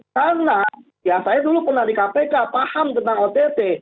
karena ya saya dulu pernah di kpk paham tentang ott